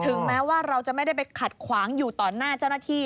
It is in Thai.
แม้ว่าเราจะไม่ได้ไปขัดขวางอยู่ต่อหน้าเจ้าหน้าที่